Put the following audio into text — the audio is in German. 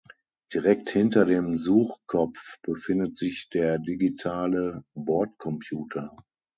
Direkt hinter dem Suchkopf befindet sich der digitale Bordcomputer.